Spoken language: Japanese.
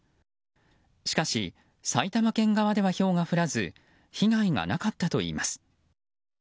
しかし埼玉県側ではひょうが降らず被害がなかったといいます。